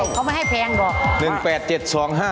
เขาไม่ให้แพงหรอก